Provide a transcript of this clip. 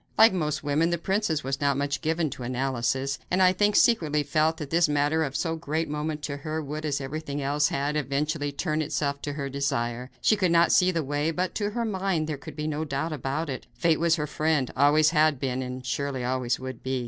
Like most women, the princess was not much given to analysis; and, I think, secretly felt that this matter of so great moment to her would, as everything else always had, eventually turn itself to her desire. She could not see the way, but, to her mind, there could be no doubt about it; fate was her friend; always had been, and surely always would be.